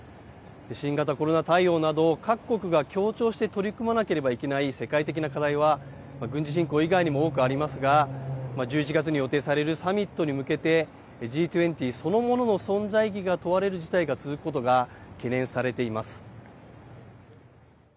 新型コロナ対応など、各国が協調して取り組まなければいけない世界的な課題は、軍事侵攻以外にも多くありますが、１１月に予定されるサミットに向けて、Ｇ２０そのものの存在意義が問われる事態が続くことが懸念されています。